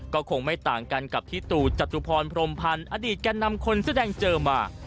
ก็คงไม่ต่างกันกับพี่ตู่จตุพรพรมพันธ์อดีตแก่นำคนแสดงเจอมา